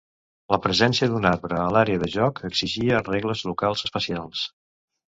La presència d'un arbre a l'àrea de joc exigia regles locals especials.